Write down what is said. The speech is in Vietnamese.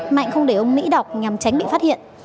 mạnh không để ông mỹ đọc nhằm tránh bị phát hiện